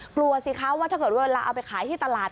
กลัวสิคะว่าถ้าเกิดเวลาเอาไปขายที่ตลาด